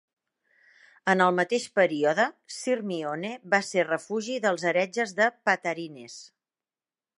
En el mateix període, Sirmione va ser refugi dels heretges de Patarines.